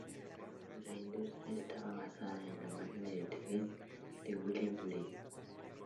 La industria estaba basada en la máquina de tejer de William Lee.